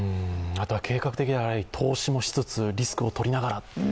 あとは計画的、投資もしつつリスクをとりながら。